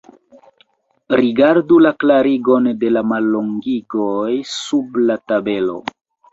Rigardu la klarigon de la mallongigoj sub la tabelo.